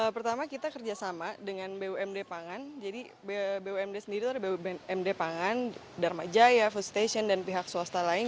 pertama kita kerjasama dengan bumd pangan jadi bumd sendiri itu ada bumd pangan dharma jaya food station dan pihak swasta lain